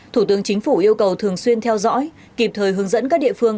thủ tướng chính phủ yêu cầu thường xuyên theo dõi kịp thời hướng dẫn các địa phương